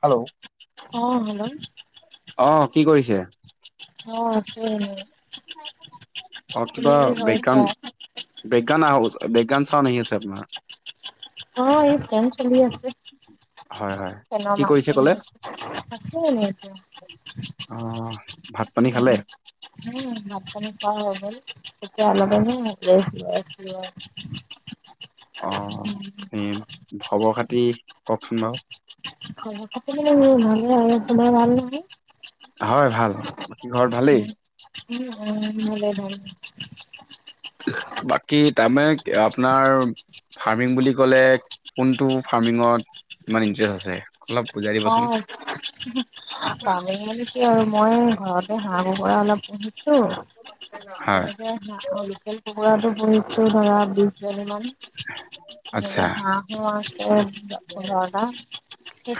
Hello অ হেল অ কি কৰিছে? অ, আছো এনে অ, তুমি কিবা কি কৰিছা বেকগ্ৰাউন-বেকাগান আৱা হৈছে বেকগ্ৰাউন চাওন আহি আছে আপোনাৰ অ এই ফেন চলি আছে। হয় হয় ফেনৰ কি কৰিছে মাতটো ক'লে শুনি পাইছে আছো এনে এতিয়া অহ, ভাত পানী উম খালে? উম ভাত পানী হৈ গল এতিয়া আলমান ৰেষ্ট লৈ আছিলো আও অ উম খবৰ খাতি কওকচোন বাৰু খবৰ খাটি মোৰ ভালেই, তোমাৰ ভাল নহয়? হয় ভাল বাকী ঘৰত ভালেই উম উম উম ভাল বাকী তামানে আপোনাৰ ফাৰ্মিং বুলি ক'লে কোনটো ফাৰ্মিঙত ইমান ইণ্টেৰেষ্ট আছে? অলপ বুজাই অ, দিবচোন ফামিং মানে কি আৰু মই ঘৰতে হাঁহ কুকুৰা অলপ পুহিছো, হয় তেনেকে হাঁহ অ লোকেল কুকুৰা টো পুহিছো ধৰা বিছজনী মান আচ্ছা তেনেকে হাহও আছে পোন্ধৰটা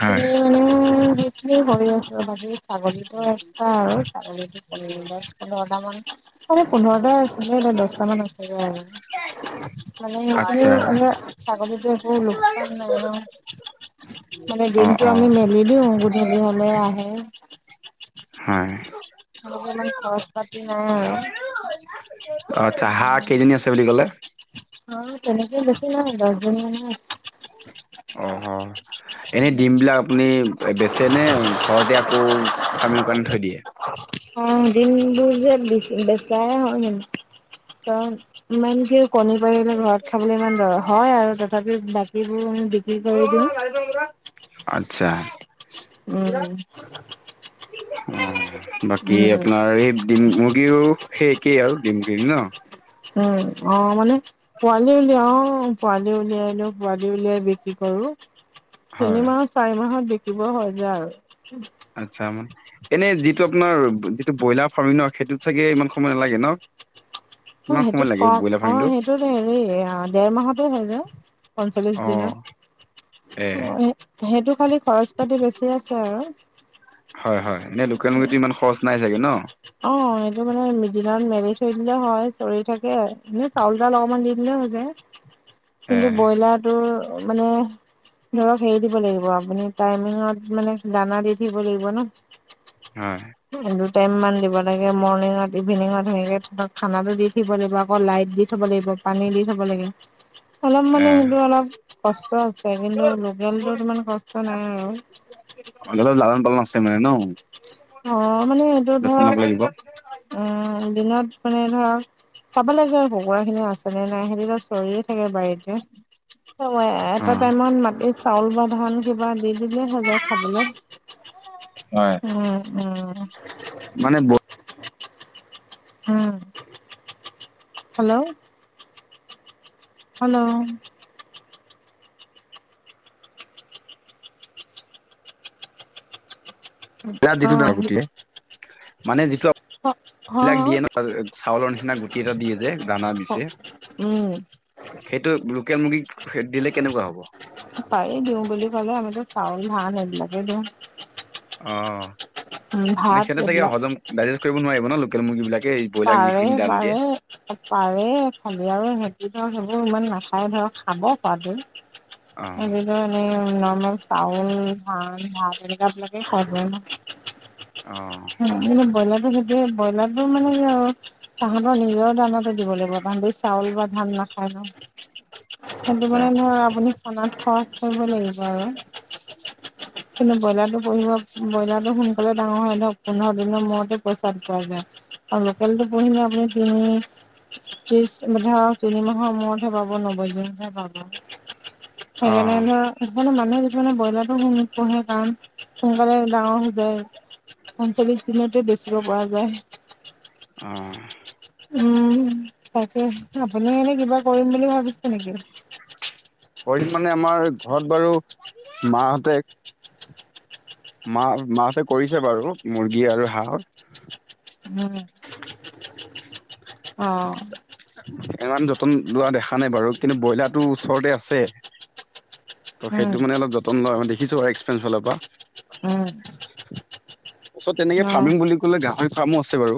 হয় মানে সেইখিনিয়ে হৈ আছে বাকী ছাগলীটো এক্স্ৰা আৰু ছাগলীটো দছ পোন্ধৰটা মান এ পোন্ধৰটা আছিলে দছটামান আছেগে আৰু মানে সেইখিনি আচ্ছা এতিয়া ছাগলীতো ও লোকচান ন-ন মানে অ দিন টো অ আমি মেলি দিও গুধলি হলে আহে হয় সনেকে ইমান খৰচ পাতি নাই আৰু অচ্ছা হা, উম কেইজনী আছে বুলি কলে? আৰু তেনেকে বেছি নাই দছজনি মান হে আছে অ-হ এনে দিম বিলাক আপুনি বেচে নে ঘৰতে আকৌ ফাৰ্মিং কাৰণে থৈ দিয়ে। অ, দিমবোৰ যে বিছি বেচাই হয় হয় নেকি? কণী পাৰিলে ঘৰত খাবলৈ ইমান হয় আৰু তথাপিও বাকীবোৰ বিক্ৰী কৰি দিওঁ। আচ্ছা। উম্। অ', বাকী আপোনাৰ এই ডিম মুৰ্গীও সেই একেই আৰু ডিমখিনি ন? উম্, অ' মানে পোৱালি উলিয়াও, পোৱালি উলিয়াই লৈ পোৱালি উলিয়াই বিক্ৰী কৰো। হয় তিনি মাহ, চাৰি মাহত বিকিব হৈ যায় আৰু। আচ্ছা। এনে যিটো আপোনাৰ যিটো ব্ৰইলাৰ ফাৰ্মিং ন সেইটোত চাগে ইমান সময় নালাগে ন? [inaudible] অ' সময় সেইটোত লাগে ব্ৰইলাৰ কম। অ' ফাৰ্মিংটো? সেইটোত হেৰি, দেৰ মাহতে হৈ যায়। পঞ্চল্লিশ অ' দিনত। এ সেইটো খালি খৰচ পাতি বেছি আছে। আৰু। হয়, হয়। এনে লোকেল মুৰ্গীটো ইমান খৰচ নাই চাগে ন? অ', সেইটো মানে দিনত মেলি থৈ দিলে হয়। চৰি থাকে, এনে চাউল তাউল অলপমান দি দিলে যায়। এ কিন্তু ব্ৰইলাৰটো মানে ধৰক হেৰি দিব লাগিব আপুনি। টাইমিঙত মানে দানা দি থাকিব লাগিব ন হয় টেন মান লব যেনেকে মৰ্ণিঙত ইভিনিঙত সেনেকে খানাটো দি থাকিব লাগিব, আকৌ লাইট দি থব লাগিব। পানী দি থব দিব লাগে অলপ এ মানে সেইটো অলপ কষ্ট আছে, কিন্তু লোকেলটোত ইমান কষ্ট নাই আৰু অলমান লালান পালন আছ অ মানে এইটো যত্ন ল'ব লাগিব। ধৰক, উম দিনত মানে ধৰক চাব লাগে কুকুৰা খিনি আছে নে নাই। সিহঁতি এনেও চৰিয়ে থাকে বাৰীতে। এটা অ' টাইমত মাটিত চাউল বা ধান কিবা দি দিলে হৈ যায় খাবলে হয় উম-উম- উম। মানে ব উম। হেল্ল'। হেল্ল'। ব্ৰইলাৰ যিটো দাম, অ'। মানে অ বিলাক দিয়ে নহ, চাউলৰ নিচিনা গুটি এটা দিয়ে যে। দানা দিছে। উম্। সেইটো লোকেল মুৰ্গীক দিলে কেনেকুৱা হ'ব? পাৰে দিওঁ বুলি ক'লে। আমিতো চাউল, ধান এইবিলাকে দিওঁ। অ' উম মানে ভাত সিহঁতে চাগে এইবিলাক হজম, ডাইজেষ্ট কৰিব নোৱাৰিব নহ লোকেল মুৰ্গী বিলাক। পাৰে, পাৰে, পাৰে খালি আৰু সিহঁতি। ইমান নাখায় ধৰা। খাব খোৱাটো। অ চাউল, ধান, ভাত এনেকা বিলাকে খাই ফুৰে নহ। অ মানে ব্ৰইলাৰটো সেইটোৱে, ব্ৰইলাৰটো মানে কি আৰু। তাহাঁতৰ নিজৰ দানাটো দিব লাগিব। তাহাঁতে চাউল বা ধান নাখায় নহ। কিন্তু আচ্ছা মানে ধৰক আপুনি খানাত খৰচ কৰিব লাগিব আৰু। কিন্তু ব্ৰইলাৰটো পুঢ়িব, ব্ৰইলাৰটো সোনকালে ডাঙৰ হয় ন। পোন্ধৰ দিনৰ মূৰতে পইচা পোৱা যায় আৰু লোকেলটো পোহিলে আপুনি তিনি ত্ৰিশ, ধৰক তিনি মাহৰ মূৰতহে পাব নব্বৈ দিনতহে পাব। অ সেইকাৰণে ধৰক মানুহে বেছি মানে ব্ৰইলাৰটো পোহে। কাৰণ সোনকালে ডাঙৰ হৈ যায়। পঞ্চল্লিশ দিনতে বেচিব পৰা যায়। অ উম্। তাকে, আপুনি এনে কিবা কৰিম বুলি ভাবিছে নেকি? কৰিম মানে আমাৰ ঘৰত বাৰু মাহঁতে মাহ মাহতে কৰিছে বাৰু মুৰ্গী আৰু হাঁহ উম অ। ইমান যতন লোৱা দেখা নাই বাৰু কিন্তু ব্ৰইলাৰতো ওচৰতে আছে। ত সেইটো মানে উম অলপ যতন লয় দেখিছো আৰু এক্সপিৰেঞ্চ ফালৰ পৰা উম ওচৰত তেনেকে অ ফাৰ্মিং বুলি কলে গাহৰি ফাৰ্মো আছে বাৰু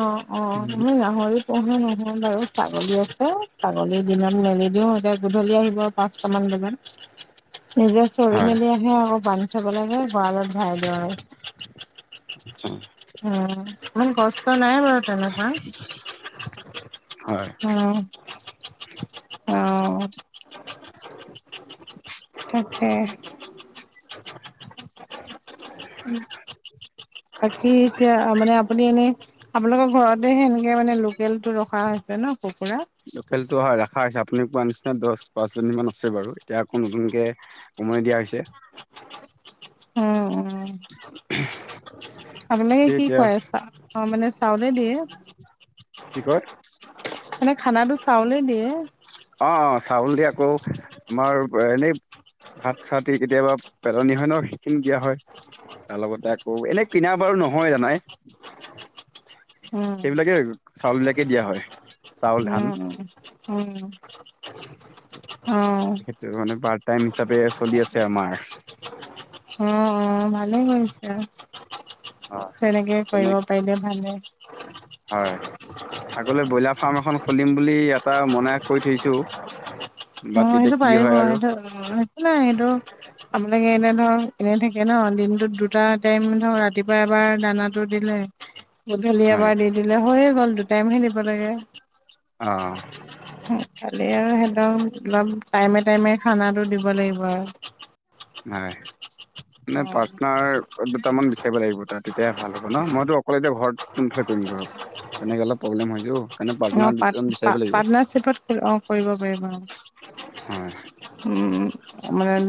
অ', অ', আমি গাহৰি পোহে নহয় বাৰু ছাগলী আছে। গলি দিনত মেলি দিওঁ এতিয়া গধূলি আহিব পাঁচটা মান বজাত। নিজে চৰি হয় মেলি আহে আকৌ বান্ধি থব লাগে গঁৰালত ভাৰাই দিওঁ আৰু [inaudible] উম ইমান কষ্ট নাই বাৰু তেনে হা হয়। অ তাকে বাকী এতিয়া মানে আপুনি এনে আপোনালোকৰ ঘৰত দে সেনেকে মানে লোকেল টো ৰখা হৈছে ন কুকুৰা লোকেলটো হয় ৰখা হৈছে আপুনি কোৱা নিচিনা দহ পাঁচ জনীমান আছে বাৰু এতিয়া আকৌ নতুনকে সময় দিয়া হৈছে। উম উম। আপোনালোকে তাকে কি এতিয়া কয় অ মানে চাউলে দিয়ে। কি কয় মানে খানাটো চাউলেই দিয়ে। অ', অ', চাউল দিয় আকৌ আমাৰ এনেই ভাত চাত কেতিয়াবা পেলনি হয় ন সেইখিনি দিয়া হয়। তাৰ লগতে আকৌ এনে কিনা বাৰু নহয় জানাই উম সেইবিলাকে চাউল বিলাকে দিয়া হয়। চাউল উম উম অ', অ', তেখেত মানে পাৰ্ট টাইম হিচাপে চলি আছে আমাৰ উ উ ভালেই কৰিছে। হয় তেনেকে তেনে কৰিব পাৰিলে ভালে হয় আগলৈ ব্ৰইলাৰ ফাৰ্ম এখন খুলিম বুলি এটা মনে কৈ থৈছোঁ। অ সেইটো পাৰিব সেইটো অ সেইটো নাই সটো আপালোকে এনে ধৰ এনে থাকে ন দমটোত দুটা টাইম ধৰ ৰাতিপুৱা এবাৰ দানাটো দিলে। গধূলি হয় এবাৰ দি দিলে হৈয়ে গল দুটাইমহে দিব লাগে। অ খালি আৰু সিহঁতক অলপ টাইমে টাইমে খানা দিব লাগিব আৰু। হয়। মানে অ', পাৰ্টনাৰ দুটামান বিচাৰিব লাগিব তাৰ তেতিয়াহে ভাল হ'ব ন মইতো অকলে এতিয়া ঘৰতোনফালে [inaudible] তেনেকে অলপ প্ৰব্লেম হৈছো পাৰ্টনাৰ পাট দুজন বিচাৰিব লাগিব। পাৰ্টনাৰশ্বিপত অ', কৰিব পাৰিব হয়। উম মানে [unintelligible] ক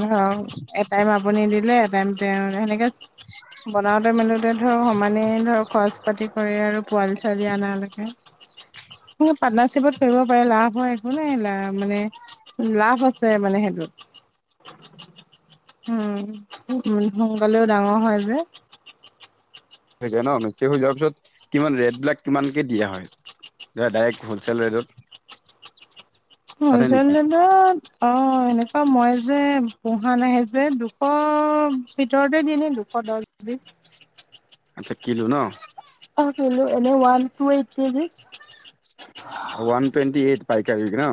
ধৰক এটাইম আপুনি দিলে এটাইম তেওঁ সেনেকে বনাওঁতে মেলোতে ধৰ সমানেই ধৰ খৰচ পাতি কৰি আৰু পোৱালী ছোৱালী আনালইকে পাৰ্টনাৰশ্বিপত কৰিব পাৰে লাভ হয় একো নাই লাভ মানে লাভ আছে মানে সেইটোত উম সোনকালেও ডাঙৰ হয় যে হৈ যায় ন নিশ্চয় হৈ যোৱাৰ পিছত কিমান ৰেটিবলাক কিমানকে দিয়া হয়। য ডাইৰেক্ট হ'লচেল ৰেটত জানে হ'লচেল নেকি ৰেটত অ সেনেকুৱা মই যে পোহা নাহে যে দুশ ভিতৰতে দিনে দুশ [unintelligible] [inaudible] আচ্ছা কিলো ন [unintelligible] ৱান টুৱেণ্টি এইট পাইকাৰীক ন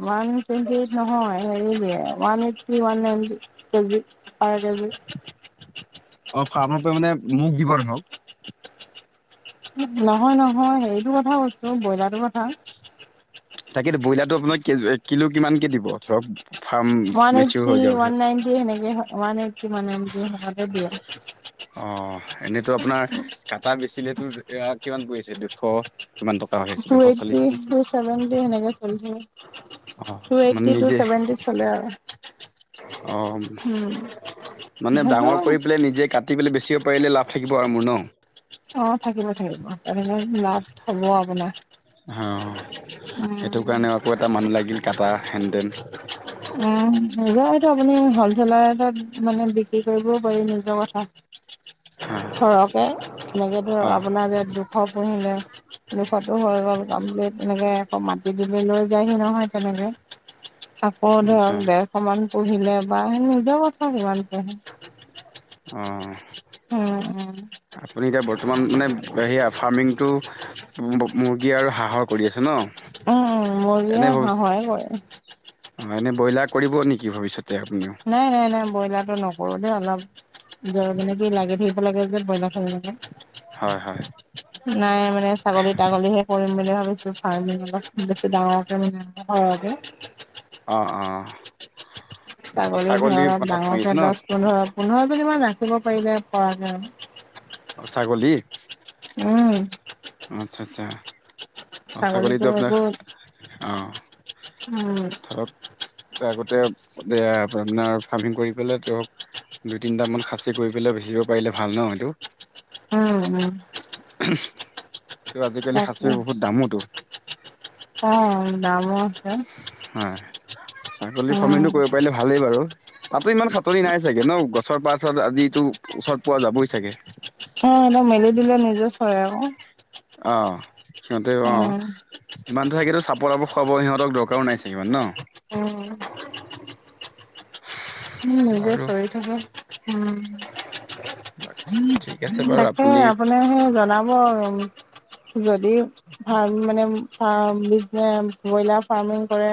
নহয়ন টণ্টি নহয় হেন এইটি নাইণ্টি কেজি অ অ, আপোনালোক মানে মোক দিবহক। নহয় - নহয় হেৰিটো কথা কৈছো ব্ৰইলাৰৰ কথা। তাকেইো ব্ৰইলাৰটো আপোনাৰ কিলো কিমানকৈ দিব ধৰক ফাৰ্ম ৱান মেচিয়ৰ এইটি হৈ যোৱাৰ পিছত ৱান নাইণ্টি হেনেকে ৱান এইটি ৱান নাইণ্টি হেণেকে দিয়ে। অ, এনেইতো আপোনাৰ কাটা বেচিলেতো কিমান পৰি আছে দুশ কিমান টকা হৈাইছে টু দুশ চল্লিছ এইট্টি নেকি। টু চেভেনটি সেনেকে চলি থাকে অ, টু মানে এইট্টি টু নিজে চেভেনটি চলে আৰু অ', উম মানে ডাঙৰ কৰি সেইটো পেলাই নিজে কাটি পেলাই বেচিব পাৰিলে লাভ থাকিব আৰু মোৰ ন। অ, থাকিব থাকিব তেে লাভ হ'ব আপোনাৰ অ, সেইটো উম কাৰণেও আকৌ এটা মানুহ লাগিল কাটা হেন তেন। উম, নিজৰ এইটো আপুনি হলচেলাৰটত মানে বিক্ৰী কৰিবও পাৰি নিজৰ কথা। হয়, ধৰকে এনেকে ধৰক অ'। আপোনাৰ ইাত দুখ পুহিলে। দুোখতো হৈ গ'ল কমপ্লিট এনেকে আকৌ মাি দিলে লৈ যায়হি নহয় তেনেকে। আকৌ আচ্ছা, ধৰক ডেৰশ মান পঢ়িলে বা সেই নিোজোৱা কথা কিমান পূহে। অ, উম উম আপুনি? এতিয়া বৰ্তমান মানে সেয়া ফাৰ্মিংটো মুৰ্গী আৰু হাহৰ কৰি আছে ন। মুৰ্গী আৰু হাহৰ কৰে। হয় এনে ব্ৰইলাৰ কৰিব নেকি ভৱিষ্যত। নাই - নাই - নাই ব্ৰইলাৰ টো নক ৰো দে অলপ যে মানে কি লাগি ধৰিব লাগে যে ব্ৰইলাৰ থে হয় - হয়। নাই মানে ছাগলী তাগলীহে কৰিম বুলি ভাবিছো ফাৰ্মি লগত বেছি ডাঙৰকে মানে। হয় দে। অ - অ। ছাগলীৰ ধৰত মাথাটো মাৰি ডাঙৰকে আছে ন? দহ পোন্ধৰ পোন্ধৰজনমান আ থাকিব পাৰিলে পৰাকে অ, ছাগলী উম, আচ্ছা - আচ্ছা ছাগলীটো আপোনাৰ আহ, উম, ত' আগতে এ আপোনাৰ ফাৰ্মিং কৰি পেলাই তেওৰক দুই তিনটা মান খাচি কৰি পেলাই বে সিচিবাৰে ভাল ন সেইটো। উম - উম। ত আজিকালি তাকে খাচীৰ বহুত দামোতো অ, দাম উম, হয় ছাগলী ফাৰ্মো কৰিব পাৰিলে ভালেই বাৰু তাতো ইমান খাতনি নাই চাগে ন গছৰ পছ তাৰপিছত আজিো ওচৰত পোৱা যাবই চাগে। অহ, মেলি দিলে নিজে চৰে আকৌ। অ, সিহতেও অ, উম ইমানটো থাকেতো চাপৰাপ খুৱাব ইহঁতক দৰকাৰো নায় চাগে ন। উম, উম, নিজে বাৰু চল থাক উম, ঠিক আছে বাৰু তাকে আপুনি সেই জনাব আৰু। যদি ফাৰ্ম মানে ফাৰ্ম বিজনেছ ব্ৰইলাৰ ফাৰ্মিং কৰে।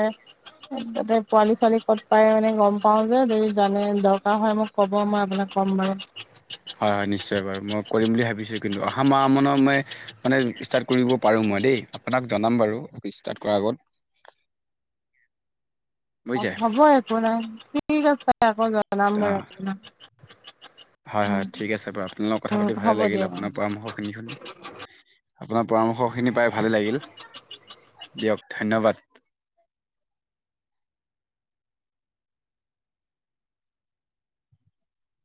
তাতে পোৱালি ছোৱালী ক'ত পাই মানে গম পাও। যে যদি জানে দৰকাৰ হয় মোক ক'ব মই আপোনাক ক'ম বাৰু। হয় হয় নিশ্চয় বাৰু মই কৰিম বুলি ভাবিছোঁ কিন্তু অহা মাহ মানৰ মই মানে ষ্টাৰট কৰিব পাৰো মই দেই আপোনাক জনাম বাৰু আগত। অ বুজিছে হ'ব একো নাই ঠিক আছে আকৌ জনাম অ বাৰু আপোনাক। হয় উম হয় ঠিক আছে বাৰু আপোনাল লগত কথা উম পাতি ভালে হ'ব লাগিল দিয়ক অ আপোনাৰ পৰামৰ্শ খিনি শুনি। আপোনাৰ পৰামৰ্শখিনি পাই ভালেই লাগিল দিয়ক। ধন্যবাদ।